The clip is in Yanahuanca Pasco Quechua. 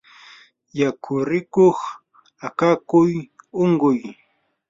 yakurikuq akakuy unquy